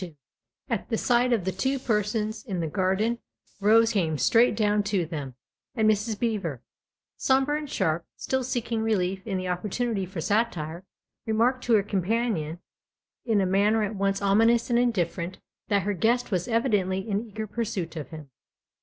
XXII AT the sight of the two persons in the garden Rose came straight down to them, and Mrs. Beever, sombre and sharp, still seeking relief in the oppor tunity for satire, remarked to her companion in a manner at once ominous and indifferent that her guest was evidently in eager pursuit of him.